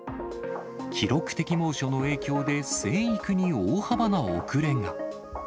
記録的猛暑の影響で、生育に大幅な遅れが。